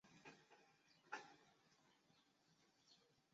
外交关系由捷克和斯洛伐克共同继承。